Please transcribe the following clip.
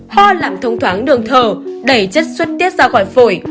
ho làm thông thoáng đường thở đẩy chất xuất tiết ra khỏi phổi